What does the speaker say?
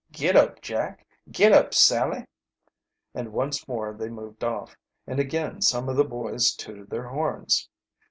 "Git up, Jack! git up, Sally!" And once more they moved off, and again some of the boys tooted their horns.